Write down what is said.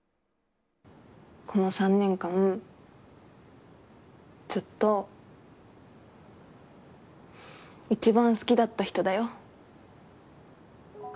この３年間ずっと一番好きだった人だよ。